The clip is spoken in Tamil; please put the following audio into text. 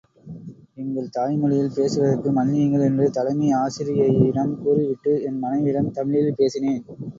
எங்கள் தாய்மொழியில் பேசுவதற்கு மன்னியுங்கள் என்று தலைமை ஆசிரியையிடம் கூறிவிட்டு, என் மனைவி யிடம் தமிழில் பேசினேன்.